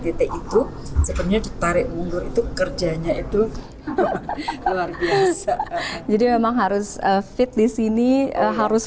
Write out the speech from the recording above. titik itu sebenarnya ditarik mundur itu kerjanya itu luar biasa jadi memang harus fit di sini harus